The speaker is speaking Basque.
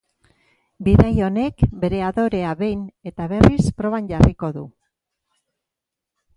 Bidai honek bere adorea behin eta berriz proban jarriko du.